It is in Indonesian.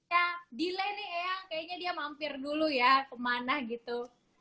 ya kayaknya dia mampir dulu ya kemana gitu